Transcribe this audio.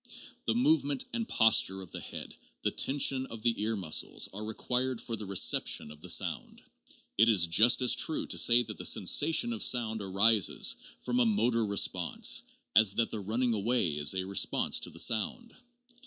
The movement and posture of the head, the ten sion of the ear muscles, are required for the ' reception' of the sound. It is just as true to say that the sensation of sound arises from a motor response as that the running away is a re sponse to the sound.